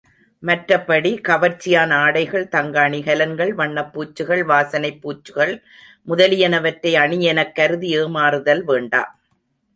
மற்றபடி கவர்ச்சியான ஆடைகள், தங்க அணிகலன்கள், வண்ணப்பூச்சுகள், வாசனைப்பூச்சுகள் முதலியனவற்றை அணியெனக் கருதி ஏமாறுதல் வேண்டா.